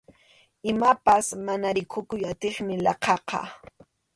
Imapas mana rikukuy atiymi laqhaqa.